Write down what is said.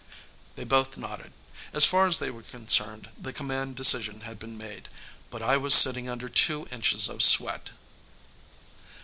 They both nodded. As far as they were concerned, the command decision had been made. But I was sitting under two inches of sweat.